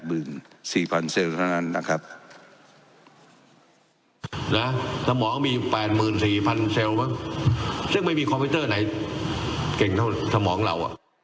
ซึ่งไม่มีคอมพิวเตอร์ไหนเก่งเท่าสมองเรา